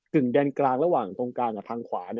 แดนกลางระหว่างตรงกลางกับทางขวา